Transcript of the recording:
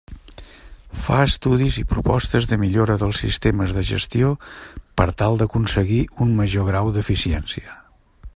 Fa estudis i propostes de millora dels sistemes de gestió per tal d'aconseguir un major grau d'eficiència.